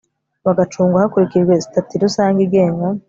bagacungwa hakurikijwe Sitati Rusange igenga